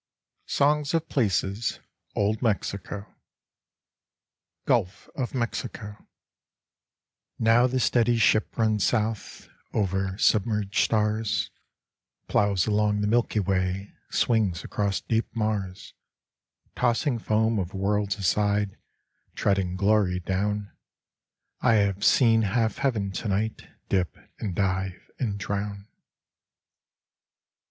71 SONGS OF PLACES (Old Mexico) Gulf of Mexico Now the steady ship runs south Over submerged stars : Plows along the Milky Way, Swings across deep Mars, Tossing foam of worlds aside, Treading glory down: I have seen half heaven tonight Dip and dive and drown.